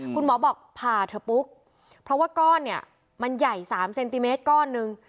คุณหมอบอกผ่าเถอะปุ๊กเพราะว่าก้อนเนี่ยมันใหญ่๓เซนติเมตรก้อนหนึ่ง